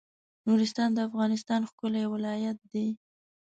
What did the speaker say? نورستان د افغانستان ښکلی ولایت دی